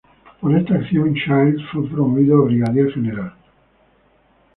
Por esta acción Childs fue promovido a brigadier general.